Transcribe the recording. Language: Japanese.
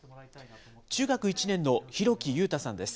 中学１年の広木勇太さんです。